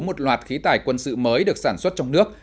một loạt khí tải quân sự mới được sản xuất trong nước